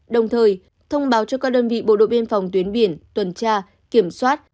đồng thời thông báo cho các đơn vị bộ đội biên phòng tuyến biển tuần tra kiểm soát